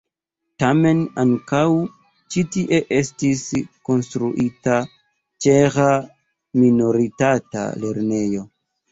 Tamen ankaŭ ĉi tie estis konstruita ĉeĥa minoritata lernejo.